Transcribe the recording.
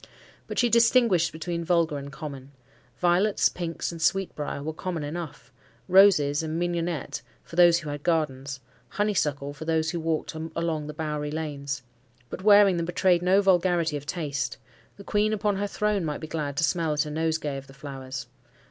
But she distinguished between vulgar and common. Violets, pinks, and sweetbriar were common enough; roses and mignionette, for those who had gardens, honeysuckle for those who walked along the bowery lanes; but wearing them betrayed no vulgarity of taste: the queen upon her throne might be glad to smell at a nosegay of the flowers.